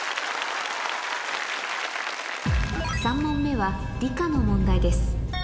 ３問目は理科の問題です